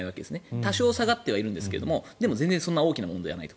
多少下がってはいるんですがでも全然そんな大きな問題はないと。